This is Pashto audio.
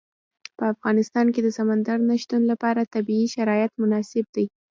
په افغانستان کې د سمندر نه شتون لپاره طبیعي شرایط مناسب دي.